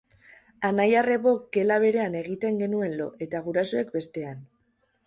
Anai-arrebok gela berean egiten genuen lo, eta gurasoek bestean.